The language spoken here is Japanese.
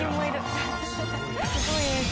すごい映像。